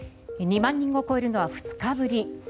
２万人を超えるのは２日ぶり。